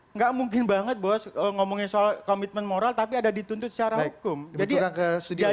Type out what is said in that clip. nggak mungkin banget bos ngomongin soal komitmen moral tapi ada dituntut secara hukum